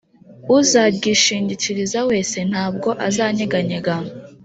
Uzaryishingikiriza wese, nta bwo azanyeganyega.